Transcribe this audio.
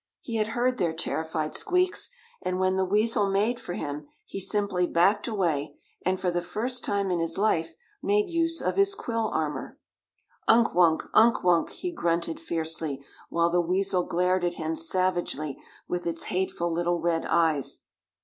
He had heard their terrified squeaks, and when the weasel made for him, he simply backed away, and for the first time in his life made use of his quill armor. "Unk Wunk, Unk Wunk," he grunted fiercely, while the weasel glared at him savagely with its hateful, little red eyes.